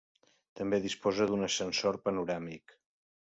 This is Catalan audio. També disposa d'un ascensor panoràmic.